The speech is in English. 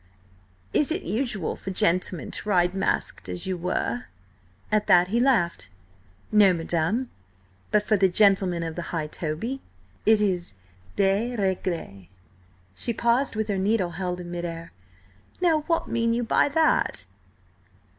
–Is it usual for gentlemen to ride masked, as you were?" At that he laughed. "No, madam, but for the gentlemen of the High Toby, it is de règle." She paused, with her needle held in mid air: "Now, what mean you by that?"